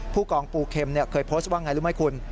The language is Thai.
ผู้กองปูเข็มเคยโพสต์ว่าไงรู้ไหมคุณ